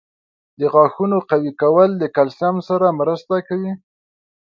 • د غاښونو قوي کول د کلسیم سره مرسته کوي.